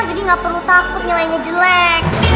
jadi gak perlu takut nilainya jelek